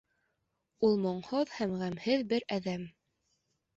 Ул моңһоҙ һәм ғәмһеҙ бер әҙәм.